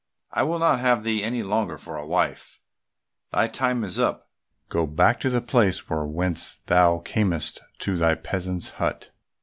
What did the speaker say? I will not have thee any longer for a wife; thy time is up, go back to the place from whence thou camest to thy peasant's hut."